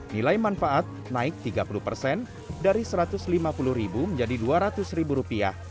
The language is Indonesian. nilai manfaat naik tiga puluh persen dari satu ratus lima puluh ribu menjadi dua ratus ribu rupiah